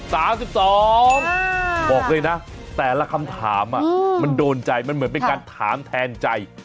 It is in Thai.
บอกเลยนะแต่ละคำถามมันโดนใจมันเหมือนเป็นการถามแทนใจ